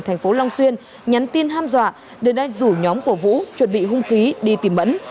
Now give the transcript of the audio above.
tp long xuyên nhắn tin ham dọa để đánh rủ nhóm của vũ chuẩn bị hung khí đi tìm mẫn